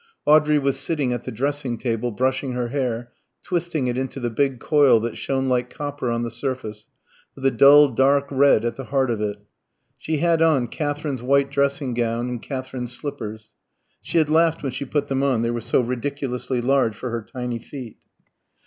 Audrey was sitting at the dressing table brushing her hair, twisting it into the big coil that shone like copper on the surface, with a dull dark red at the heart of it. She had on Katherine's white dressing gown and Katherine's slippers. She had laughed when she put them on, they were so ridiculously large for her tiny feet.